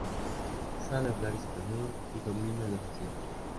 Sabe hablar español y domina los acentos.